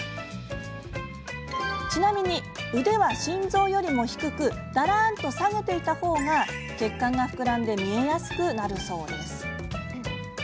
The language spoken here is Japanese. ちなみに、腕は心臓より低くだらんと下げていたほうが血管が膨らんで見えやすくなるそうです。